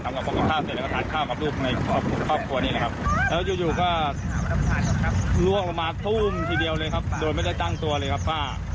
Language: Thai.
มาแบบรับผิดชอบอะไรเลยครับยัง๓วันแล้วครับ